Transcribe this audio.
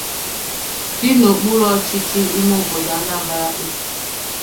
dị n'okpuru ọchịchị ime obodo 'Anambra East